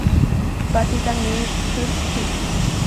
"Batida" means "to hit".